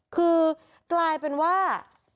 คือกลายเป็นว่า